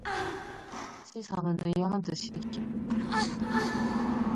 치삼은 의아한 듯이 김첨지를 봤다